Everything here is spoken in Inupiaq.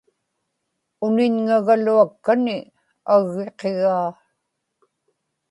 uniñŋagaluakkani aggiqigaa